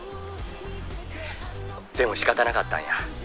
「でも仕方なかったんや」